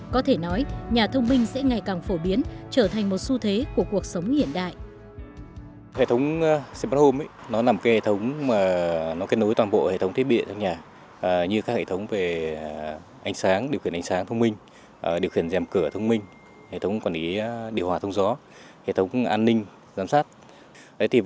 có thể nói nhà thông minh sẽ ngày càng phổ biến trở thành một xu thế của cuộc sống hiện đại